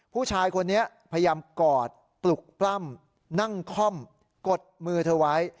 ผู้ชายคนนี้พยายามกอดปลุกปล้ำนั่งค่อมกดมือเธอไว้